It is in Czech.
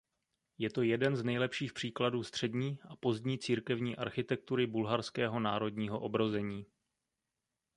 Je to jeden z nejlepších příkladů střední a pozdní církevní architektury bulharského národního obrození.